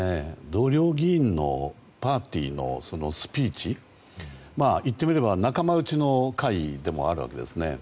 同僚議員のパーティーのスピーチ言ってみれば仲間内の会でもあるわけですね。